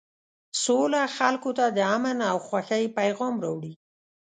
سوله خلکو ته د امن او خوښۍ پیغام راوړي.